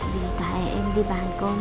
vì tại em đi bán con